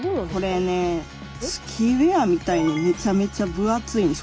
これねスキーウエアみたいにめちゃめちゃ分厚いんです。